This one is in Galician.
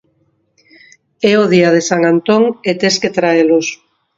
E o día de San Antón e tes que traelos.